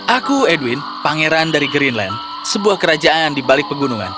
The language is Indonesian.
aku edwin pangeran dari greenland sebuah kerajaan di balik pegunungan